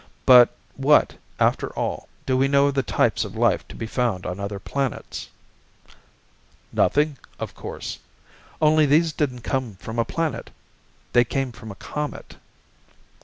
But what, after all, do we know of the types of life to be found on other planets?" "Nothing, of course. Only these didn't come from a planet. They came from a comet."